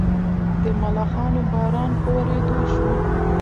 د ملخانو باران په ورېدو شو.